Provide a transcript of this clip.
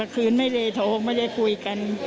มาคืนไม่เลโทไม่ได้คุยกัน